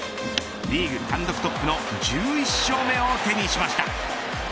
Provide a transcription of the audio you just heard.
リーグ単独トップの１１勝目を手にしました。